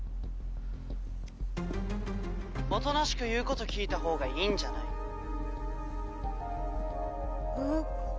おとなしく言うこと聞いたほうがいいんじゃない？ん？